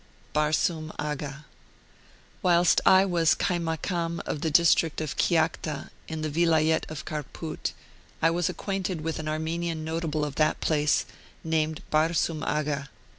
BARSOUM AGHA. Whilst I was Kaimakam of the district of Kiakhta, in the Vilayet of Kharpout, I was acquainted with an Armenian Notable of that place, named Barsoum Agha.